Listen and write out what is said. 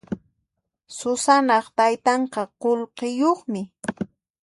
Susanaq taytanqa qullqiyuqmi.